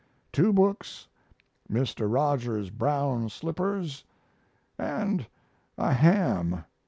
Two books, Mr. Rogers' brown slippers, & a ham.